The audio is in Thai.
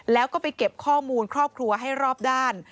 แล้วก็ไปเก็บข้อมูลครอบครัวให้รอบด้าน